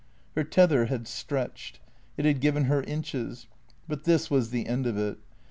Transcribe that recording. Her tether had stretched ; it had given her inches ; but this was the end of it.